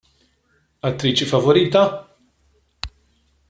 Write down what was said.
Attriċi favorita?